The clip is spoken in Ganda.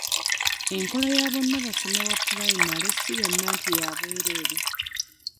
Enkola ya bonnabasome wa pulayimale si yonna nti ya bwerere.